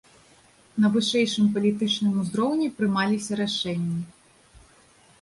На вышэйшым палітычным узроўні прымаліся рашэнні.